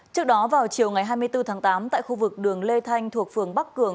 trước đó vào chiều ngày hai mươi bốn tháng tám tại khu vực đường lê thanh thuộc phường bắc cường